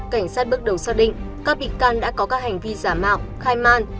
cảnh sát bước đầu xác định các bị can đã có các hành vi giả mạo khai man